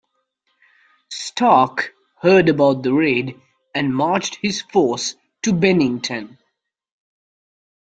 Stark heard about the raid and marched his force to Bennington.